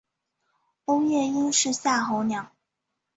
欧夜鹰是夏候鸟。